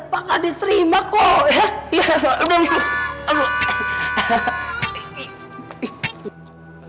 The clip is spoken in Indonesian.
pak kades terima kok